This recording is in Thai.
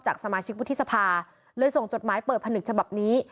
สมาชิกวุฒิสภาเลยส่งจดหมายเปิดผนึกฉบับนี้